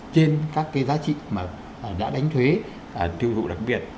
trên các cái giá trị mà đã đánh thuế tiêu thụ đặc biệt